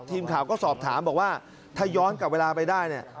ทีมข่าวก็สอบถามบอกว่าถ้าย้อนกลับเวลาไปได้เนี่ย